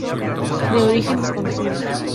De origen desconocido.